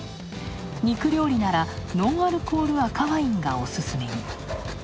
肉料理ならノンアルコール赤ワインがオススメに。